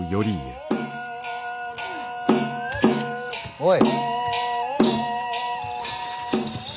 おい。